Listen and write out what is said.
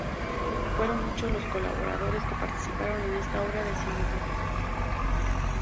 Fueron muchos los colaboradores que participaron en esta obra decimonónica.